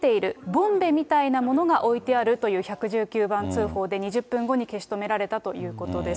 ボンベみたいなものが置いてあるという１１９番通報で２０分後に消し止められたということです。